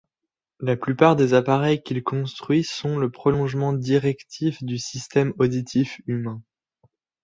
La plupart des appareils qu'il construit sont le prolongement directif du système auditif humain.